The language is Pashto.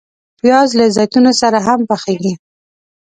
پیاز له زیتونو سره هم پخیږي